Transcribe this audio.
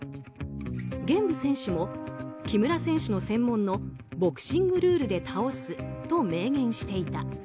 玄武選手も木村選手の専門のボクシングルールで倒すと明言していた。